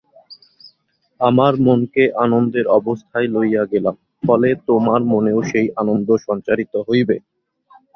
আমার মনকে আনন্দের অবস্থায় লইয়া গেলাম, ফলে তোমার মনেও সেই আনন্দ সঞ্চারিত হইবে।